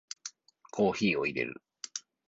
コーヒーを淹れる